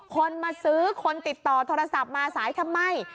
คนมาซื้อคนติดต่อโทรศัพท์มาสายทำไม